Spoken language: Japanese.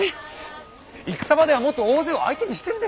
戦場ではもっと大勢を相手にしてるでしょう。